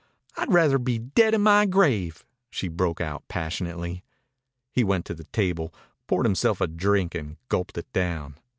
I'd rather be dead in my grave!" she broke out passionately. He went to the table, poured himself a drink, and gulped it down.